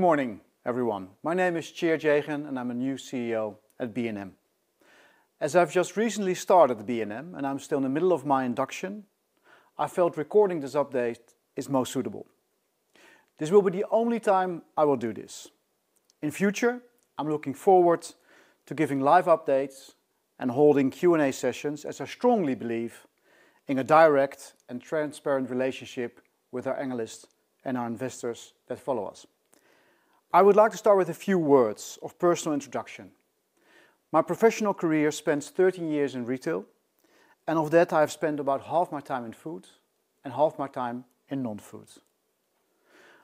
Good morning everyone. My name is Tjeerd Jegen and I'm the new CEO at B&M. As I've just recently started at B&M and I'm still in the middle of my induction, I felt recording this update is most suitable. This will be the only time I will do this. In future, I'm looking forward to giving live updates and holding Q&A sessions as I strongly believe in a direct and transparent relationship with our analysts and our investors that follow us. I would like to start with a few words of personal introduction. My professional career spans 13 years in retail and of that I have spent about half my time in food and half my time in non-food.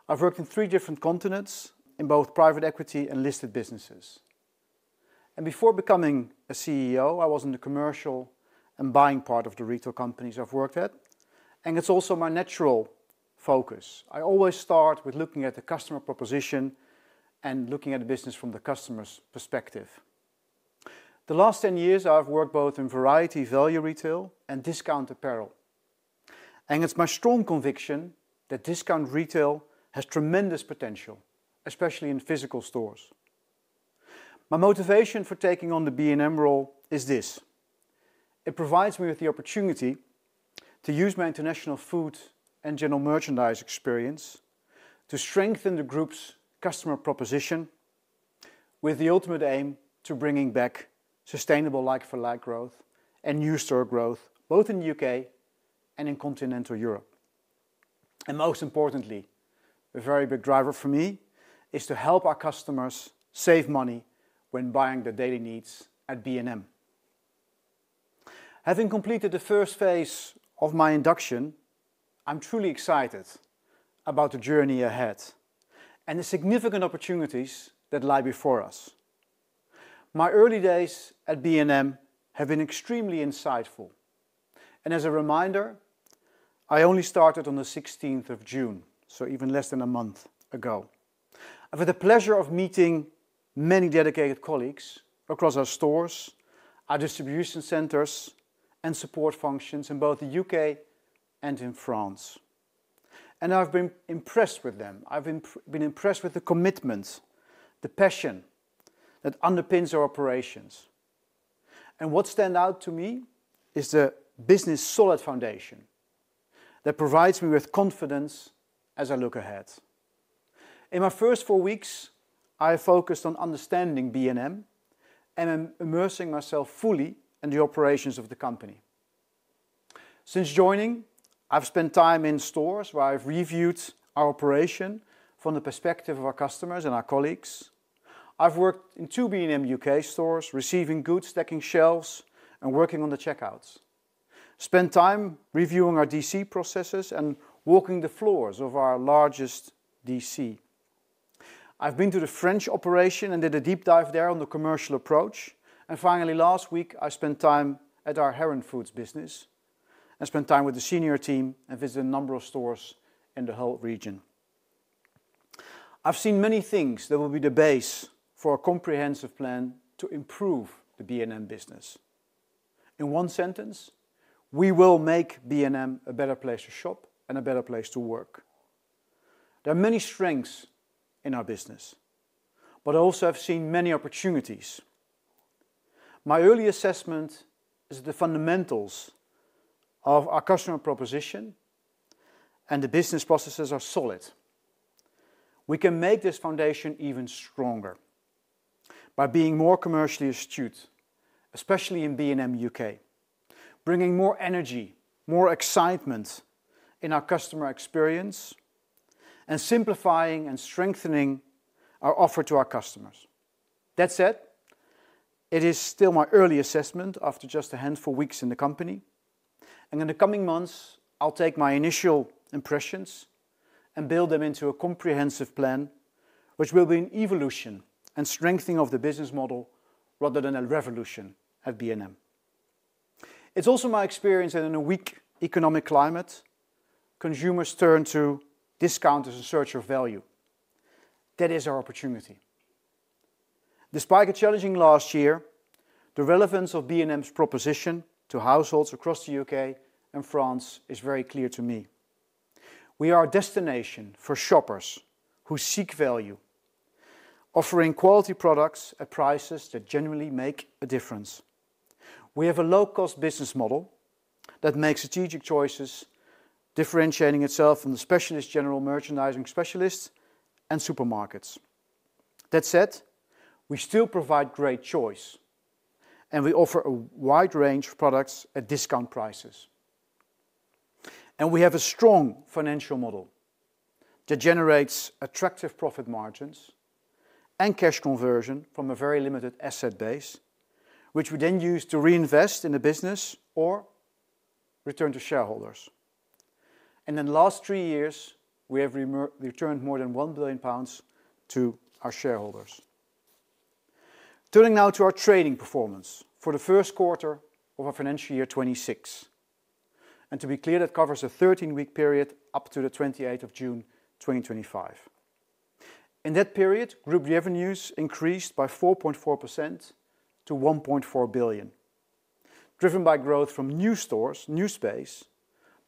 I've worked in three different continents in both private equity and listed businesses and before becoming a CEO I was in the commercial and buying part of the retail companies I've worked at and it's also my natural focus. I always start with looking at the customer proposition and looking at the business from the customer's perspective. The last 10 years I've worked both in variety value retail and discount apparel and it's my strong conviction that discount retail has tremendous potential, especially in physical stores. My motivation for taking on the B&M role is this. It provides me with the opportunity to use my international food and general merchandise experience to strengthen the group's customer proposition with the ultimate aim to bringing back sustainable like-for-like growth and new store growth both in the U.K. and in continental Europe. Most importantly, a very big driver for me is to help our customers save money when buying their daily needs at B&M. Having completed the first phase of my induction, I'm truly excited about the journey ahead and the significant opportunities that lie before us. My early days at B&M have been extremely insightful and as a reminder, I only started on 16 June, so even less than a month ago. I've had the pleasure of meeting many dedicated colleagues across our stores, our distribution centers and support functions in both the U.K. and in France and I've been impressed with them. I've been impressed with the commitment, the passion that underpins our operations and what stands out to me is the business's solid foundation that provides me with confidence as I look ahead. In my first four weeks I focused on understanding B&M and immersing myself fully in the operations of the company. Since joining, I've spent time in stores where I've reviewed our operation from the perspective of our customers and our colleagues. I've worked in two B&M U.K. stores, receiving goods, stacking shelves, and working on the checkouts, spent time reviewing our distribution center processes and walking the floors of our largest distribution center. I've been to the French operation and did a deep dive there on the commercial approach. Finally, last week I spent time at our Heron Foods business and spent time with the senior team and visited a number of stores in the Hull region. I've seen many things that will be the base for a comprehensive plan to improve the B&M business. In one sentence, we will make B&M a better place to shop and a better place to work. There are many strengths in our business, but I also have seen many opportunities. My early assessment is the fundamentals of our customer proposition and the business processes are solid. We can make this foundation even stronger by being more commercially astute, especially in B&M U.K., bringing more energy, more excitement in our customer experience, and simplifying and strengthening our offer to our customers. That said, it is still my early assessment. After just a handful of weeks in the company and in the coming months, I'll take my initial impressions and build them into a comprehensive plan which will be an evolution and strengthening of the business model rather than a revolution at B&M. It is also my experience that in a weak economic climate consumers turn to discount as a search for value. That is our opportunity. Despite the challenging last year, the relevance of B&M's proposition to households across the U.K. and France is very clear to me. We are a destination for shoppers who seek value, offering quality products at prices that genuinely make a difference. We have a low-cost business model that makes strategic choices, differentiating itself from the specialist general merchandise specialists and supermarkets. That said, we still provide great choice and we offer a wide range of products at discount prices, and we have a strong financial model that generates attractive profit margins and cash conversion from a very limited asset base, which we then use to reinvest in the business or return to shareholders. In the last three years, we have returned more than 1 billion pounds to our shareholders. Turning now to our trading performance for the first quarter of our financial year 2026, and to be clear, that covers a 13-week period up to 28 June 2025. In that period, group revenues increased by 4.4% to 1.4 billion, driven by growth from new stores, new space,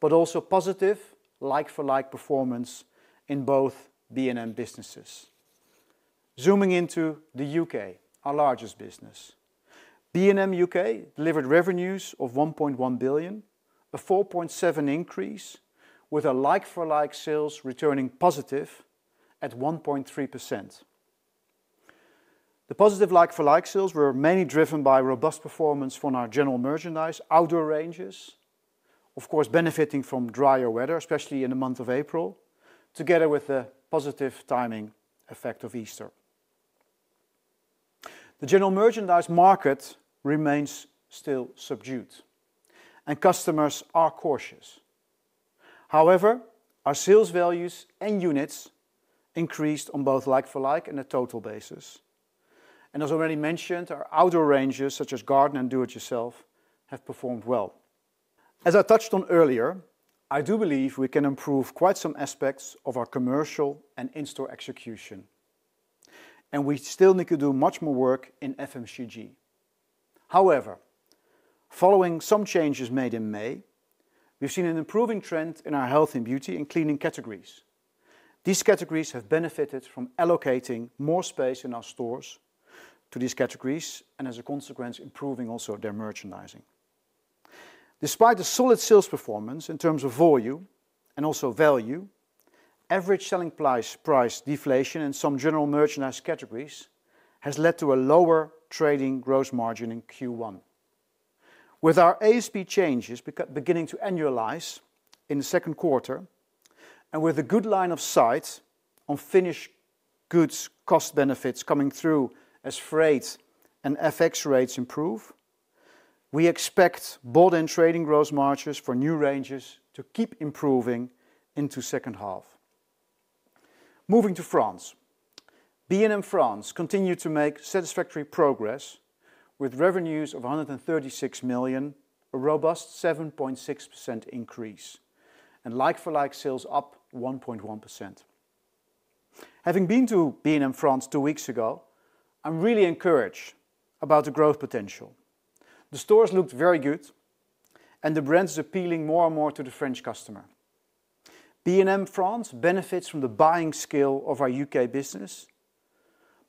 but also positive like-for-like performance in both B&M businesses. Zooming into the U.K., our largest business, B&M U.K., delivered revenues of 1.1 billion, a 4.7% increase with like-for-like sales returning positive at 1.3%. The positive like-for-like sales were mainly driven by robust performance from our general merchandise outdoor ranges, benefiting from drier weather, especially in the month of April, together with the positive timing effect of Easter. The general merchandise market remains still subdued and customers are cautious. However, our sales values and units increased on both like-for-like and a total basis. As already mentioned, our outdoor ranges such as Garden and Do It Yourself have performed well. As I touched on earlier, I do believe we can improve quite some aspects of our commercial and in-store execution, and we still need to do much more work in FMCG. However, following some changes made in May, we've seen an improving trend in our health and beauty and cleaning categories. These categories have benefited from allocating more space in our stores to these categories and, as a consequence, improving also their merchandising. Despite the solid sales performance in terms of volume and also value, average selling price deflation in some general merchandise categories has led to a lower trading gross margin in Q1. With our ASP changes beginning to annualize in the second quarter and with a good line of sight on finished goods cost benefits coming through as freight and FX rates improve, we expect both end trading gross margins for new ranges to keep improving into the second half. Moving to France, B&M France continued to make satisfactory progress with revenues of 136 million, a robust 7.6% increase and like-for-like sales up 1.1%. Having been to B&M France two weeks ago, I'm really encouraged about the growth potential. The stores looked very good and the brand is appealing more and more to the French customer. B&M France benefits from the buying scale of our U.K. business,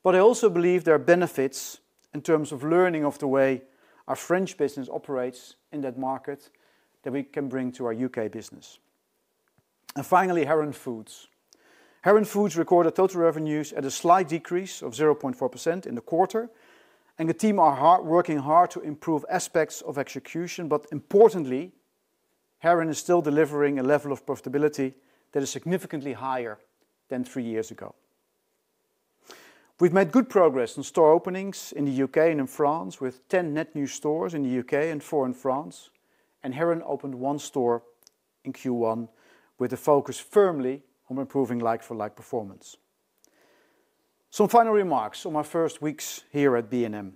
but I also believe there are benefits in terms of learning from the way our French business operates in that market that we can bring to our U.K. business. Heron Foods recorded total revenues at a slight decrease of 0.4% in the quarter and the team are working hard to improve aspects of execution. Importantly, Heron is still delivering a level of profitability that is significantly higher than three years ago. We've made good progress in store openings in the U.K. and in France with 10 net new stores in the U.K. and four in France, and Heron opened one store in Q1 with a focus firmly on improving like-for-like performance. Some final remarks on my first weeks here at B&M,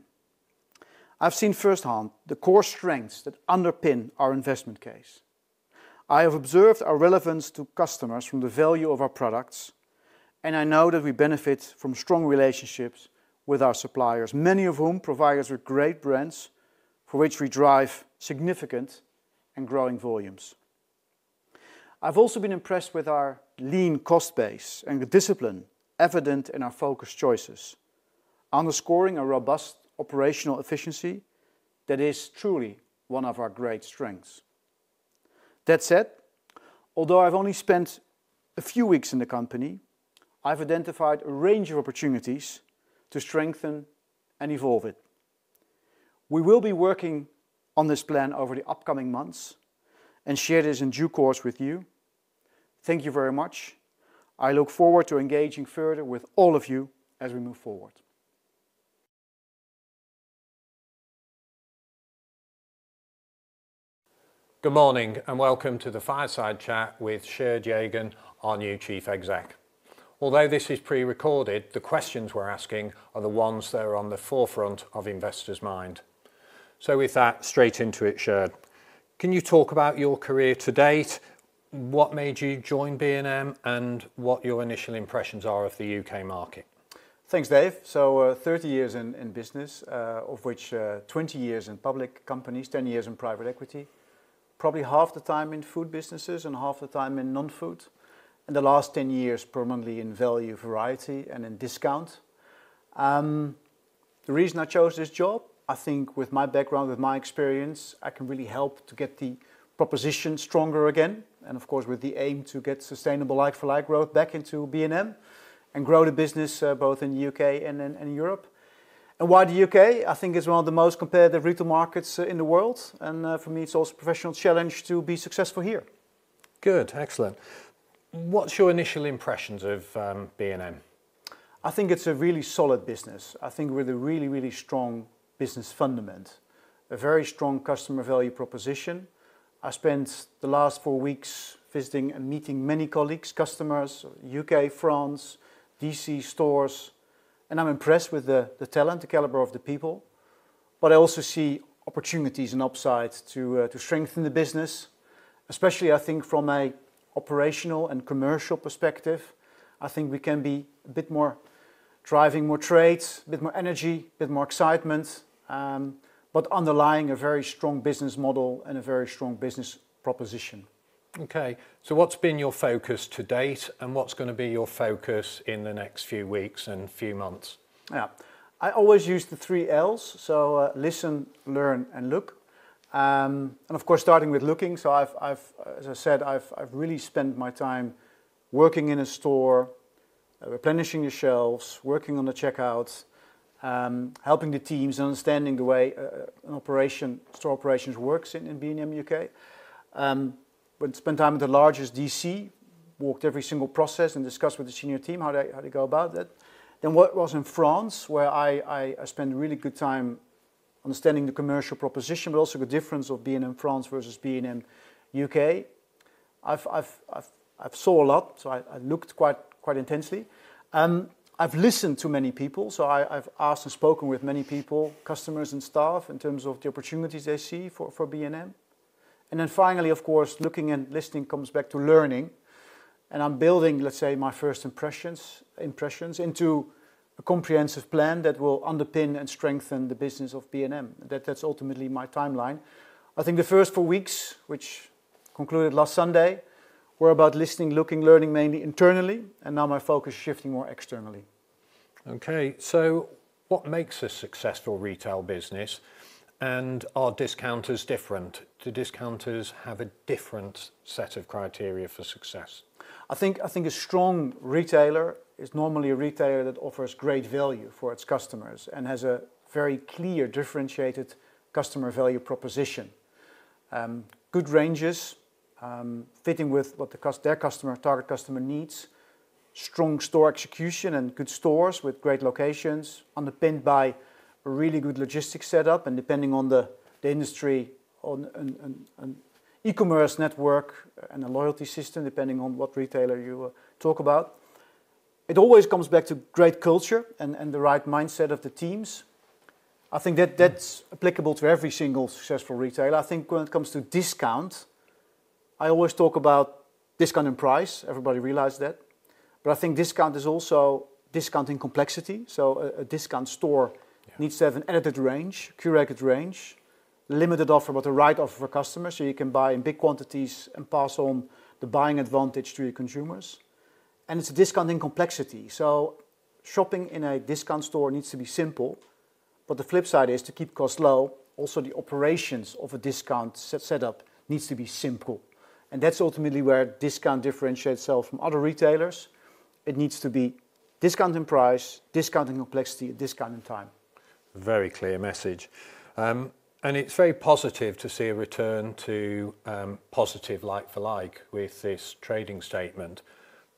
I've seen firsthand the core strengths that underpin our investment case. I have observed our relevance to customers from the value of our products and I know that we benefit from strong relationships with our suppliers, many of whom provide us with great brands for which we drive significant and growing volumes. I've also been impressed with our lean cost base and discipline evident in our focus choices, underscoring a robust operational efficiency that is truly one of our great strengths. That said, although I've only spent a few weeks in the company, I've identified a range of opportunities to strengthen and evolve it. We will be working on this plan over the upcoming months and share this in due course with you. Thank you very much. I look forward to engaging further with all of you as we move forward. Good morning and welcome to the fireside chat with Tjeerd Jegen, our new Chief Executive Officer. Although this is pre-recorded, the questions we're asking are the ones that are on the forefront of investors' minds. With that, straight into it, Tjeerd, can you talk about your career to date, what made you join B&M, and what your initial impressions are of the U.K. market? Thanks, Dave. Thirty years in business, of which 20 years in public companies, 10 years in private equity, probably half the time in food businesses and half the time in non-food. In the last 10 years, permanently in value, variety, and in discount. The reason I chose this job, I think with my background, with my experience, I can really help to get the proposition stronger again, and of course with the aim to get sustainable like-for-like growth back into B&M and grow the business both in the U.K. and Europe. The U.K., I think, is one of the most competitive retail markets in the world, and for me it's also a professional challenge to be successful here. Good, excellent. What's your initial impressions of B&M? I think it's a really solid business. I think with a really, really strong business fundament, a very strong customer value proposition. I spent the last four weeks visiting and meeting many colleagues, customers, U.K., France, distribution centers, stores, and I'm impressed with the talent, the caliber of the people. I also see opportunities and upsides to strengthen the business, especially I think from an operational and commercial perspective. I think we can be a bit more driving, more trades, bit more energy, bit more excitement, underlying a very strong business model and a very strong business proposition. Okay, so what's been your focus to date and what's going to be your focus in the next few weeks and few months? I always use the three Ls: listen, learn, and look. Of course, starting with looking. As I said, I've really spent my time working in a store, replenishing the shelves, working on the checkouts, helping the teams, understanding the way store operations work in B&M U.K.. I spent time at the largest DC, walked every single process, and discussed with the senior team how to go about that. I was in France, where I spent a really good time understanding the commercial proposition, but also the difference of being in France versus B&M U.K.. I've seen a lot, so I looked quite intensely. I've listened to many people. I've asked and spoken with many people, customers, and staff in terms of the opportunities they see for B&M. Finally, looking and listening comes back to learning, and I'm building, let's say, my first impressions into a comprehensive plan that will underpin and strengthen the business of B&M. That's ultimately my timeline. I think the first four weeks, which concluded last Sunday, were about listening, looking, learning mainly internally, and now my focus is shifting more externally. Okay, what makes a successful retail business? Are discounters different? Do discounters have a different set of criteria for success? I think a strong retailer is normally a retailer that offers great value for its customers and has a very clear, differentiated customer value proposition. Good ranges fitting with what their target customer needs, strong store execution, and good stores with great locations underpinned by a really good logistics setup, and depending on the industry, on an e-commerce network and a loyalty system. Depending on what retailer you talk about, it always comes back to great culture and the right mindset of the teams. I think that that's applicable to every single successful retailer. I think when it comes to discount, I always talk about discount and price. Everybody realized that. I think discount is also discounting complexity. A discount store needs to have an edited range, curated range, limited offer, but the right offer for customers so you can buy in big quantities and pass on the buying advantage to your consumers. It's a discounting complexity. Shopping in a discount store needs to be simple, but the flip side is to keep costs low. Also, the operations of a discount setup need to be simple, and that's ultimately where discount differentiates itself from other retailers. It needs to be discount in price, discount in complexity, discount in time. Very clear message. It's very positive to see a return to positive like-for-like with this trading statement.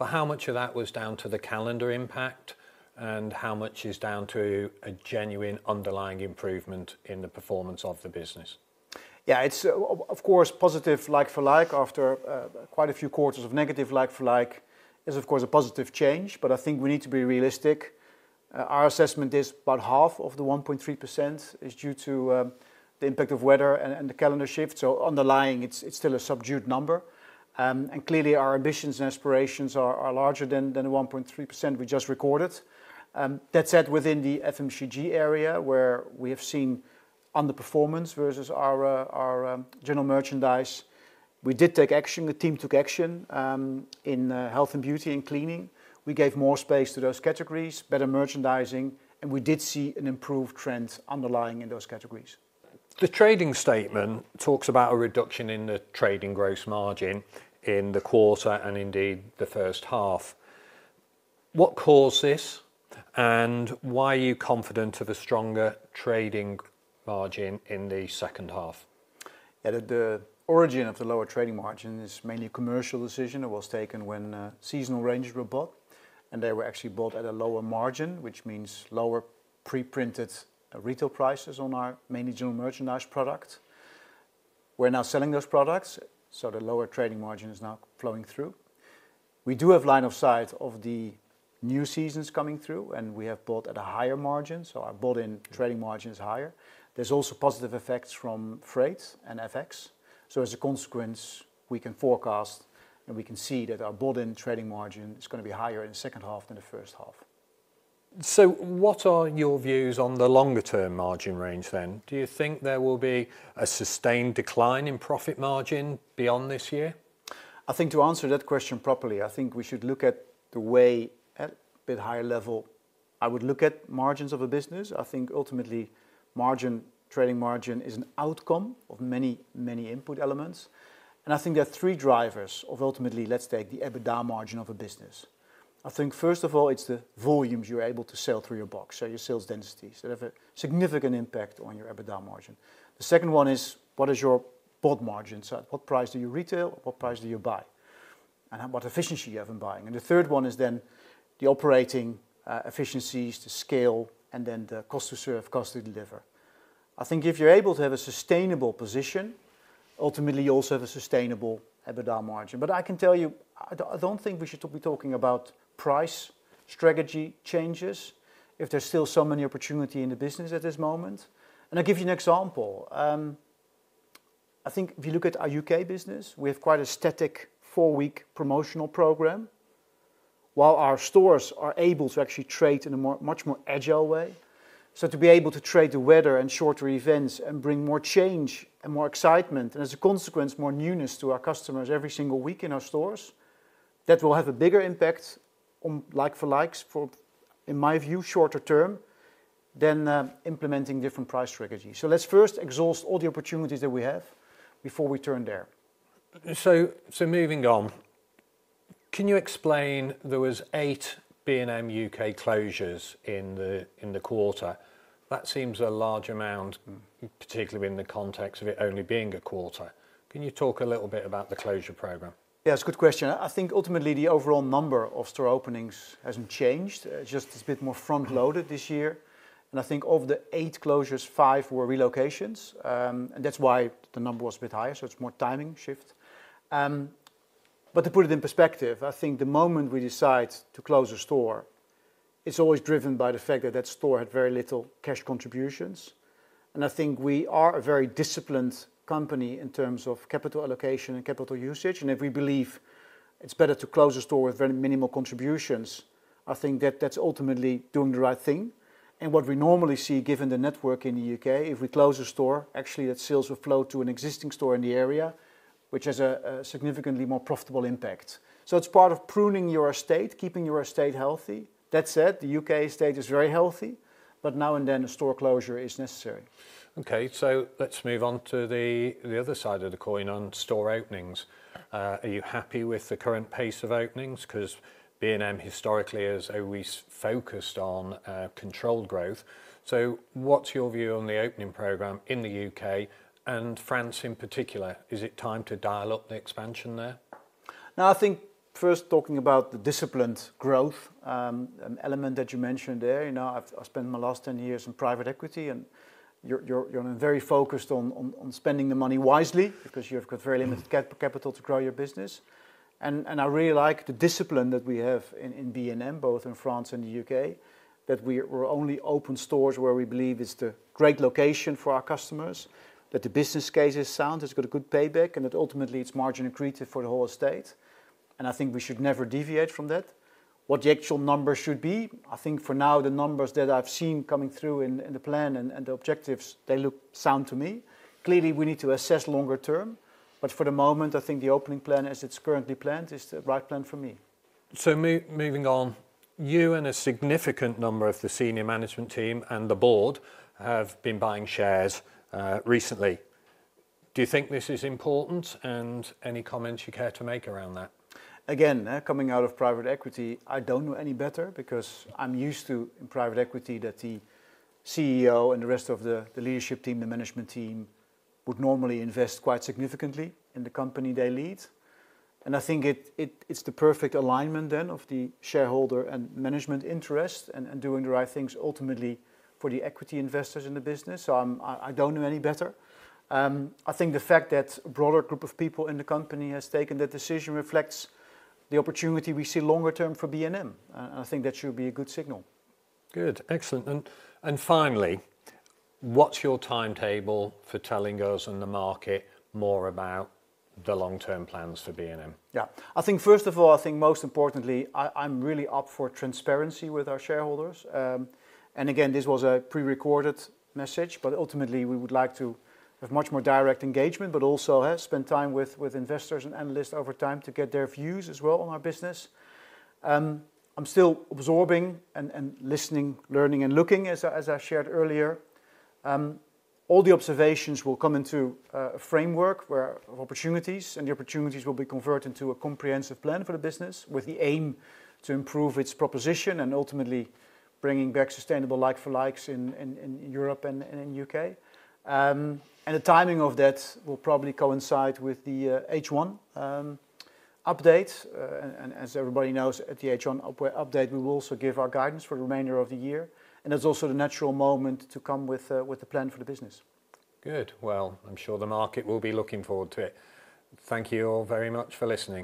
How much of that was down to the calendar impact, and how much is down to a genuine underlying improvement in the performance of the business? Yeah, it's of course positive like-for-like after quite a few quarters of negative like-for-like, it's of course a positive change. I think we need to be realistic. Our assessment is about half of the 1.3% is due to the impact of weather and the calendar shift. Underlying, it's still a subdued number and clearly our ambitions and aspirations are larger than the 1.3% we just recorded. That said, within the FMCG area where we have seen underperformance versus our general merchandise, we did take action, the team took action in health and beauty and cleaning. We gave more space to those categories, better merchandising, and we did see an improved trend underlying in those categories. The trading statement talks about a reduction in the trading gross margin in the quarter and indeed the first half. What caused this, and why are you confident of a stronger trading margin in the second half? The origin of the lower trading margin is mainly a commercial decision. It was taken when seasonal ranges were bought, and they were actually bought at a lower margin, which means lower pre-printed retail prices on our main general merchandise products, we're now selling those products, so the lower trading margin is now flowing through. We do have line of sight of the new seasons coming through, and we have bought at a higher margin, so our bought-in trading margin is higher. There are also positive effects from freight and FX. As a consequence, we can forecast, and we can see that our bought-in trading margin is going to be higher in the second half than the first half. What are your views on the longer term margin range then? Do you think there will be a sustained decline in profit margin beyond this year? I think to answer that question properly, we should look at the way at a bit higher level, I would look at margins of a business. I think ultimately margin, trading margin is an outcome of many, many input elements and I think there are three drivers of ultimately let's take the EBITDA margin of a business. I think first of all it's the volumes you're able to sell through your box, so your sales densities that have a significant impact on your EBITDA margin. The second one is what is your bond margin? So what price do you retail, what price do you buy and what efficiency you have in buying? The third one is then the operating efficiencies, the scale and then the cost to serve, cost to deliver. If you're able to have a sustainable position, ultimately you also have a sustainable EBITDA margin. I don't think we should be talking about price strategy changes if there's still so many opportunities in the business at this moment. I'll give you an example. If you look at our U.K. business, we have quite a static four week promotional program, while our stores are able to actually trade in a much more agile way. To be able to trade the weather and shorter events and bring more change and more excitement and as a consequence more newness to our customers every single week in our stores, that will have a bigger impact on like-for-like sales, in my view, shorter term than implementing different price strategies. Let's first exhaust all the opportunities that we have before we turn there. Moving on, can you explain there were eight B&M U.K. closures in the quarter? That seems a large amount, particularly in the context of it only being a quarter. Can you talk a little bit about the closure program? Yes, good question. I think ultimately the overall number of store openings hasn't changed, just a bit more front loaded this year. I think of the eight closures, five were relocations and that's why the number was a bit higher. It's more a timing shift. To put it in perspective, the moment we decide to close a store, it's always driven by the fact that that store had very little cash contributions. I think we are a very disciplined company in terms of capital allocation and capital usage. If we believe it's better to close a store with very minimal contributions, I think that's ultimately doing the right thing. What we normally see, given the network in the U.K., if we close a store, actually that sales will flow to an existing store in the area, which has a significantly more profitable impact. It's part of pruning your estate, keeping your estate healthy. That said, the U.K. estate is very healthy, but now and then a store closure is necessary. Ok, let's move on to the other side of the coin on store openings. Are you happy with the current pace of openings? Because B&M historically has always focused on controlled growth. What's your view on the opening program in the U.K. and France in particular? Is it time to dial up the expansion there now? I think first talking about the disciplined growth element that you mentioned there. I spent my last 10 years in private equity and you're very focused on spending the money wisely because you've got very limited capital to grow your business. I really like the discipline that we have in B&M both in France and the U.K., that we only open stores where we believe it's the great location for our customers, that the business case is sound, it's got a good payback, and that ultimately it's margin-accretive for the whole estate. I think we should never deviate from that. What the actual numbers should be, I think for now the numbers that I've seen coming through in the plan and the objectives, they look sound to me. Clearly we need to assess longer term, but for the moment I think the opening plan as it's currently planned is the right plan for me. Moving on, you and a significant number of the Senior Management Team and the Board have been buying shares recently. Do you think this is important, and any comments you care to make around that? Again, coming out of private equity, I don't know any better because I'm used to private equity that the CEO and the rest of the leadership team, the management team, would normally invest quite significantly in the company they lead. I think it's the perfect alignment then of the shareholder and management interest and doing the right things ultimately for the equity investors in the business. I don't know any better. I think the fact that a broader group of people in the company has taken that decision reflects the opportunity we see longer term for B&M. I think that should be a good signal. Good, excellent. Finally, what's your timetable for telling us in the market more about the long term plans for B&M? Yeah, I think first of all, most importantly I'm really up for transparency with our shareholders. This was a prerecorded message, but ultimately we would like to have much more direct engagement and also spend time with investors and analysts over time to get their views as well on our business. I'm still absorbing and listening, learning and looking. As I shared earlier, all the observations will come into a framework of opportunities and the opportunities will be converted into a comprehensive plan for the business with the aim to improve its proposition and ultimately bringing back sustainable like-for-like sales in Europe and in the U.K.. The timing of that will probably coincide with the H1 update. As everybody knows, at the H1 update we will also give our guidance for the remainder of the year and that's also the natural moment to come with the plan for the business. Good, well. I'm sure the market will be looking forward to it. Thank you all very much for listening.